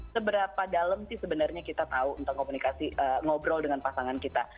seberapa dalam sih sebenarnya kita tahu tentang komunikasi ngobrol dengan pasangan kita